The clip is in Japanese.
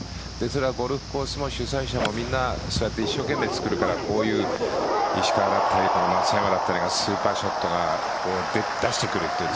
ゴルフコースも主催者もみんな一生懸命作るからこういう石川だったり松山だったりがスーパーショットを出してくると。